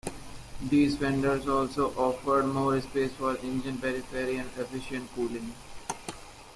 These fenders also offered more space for engine periphery and efficient cooling.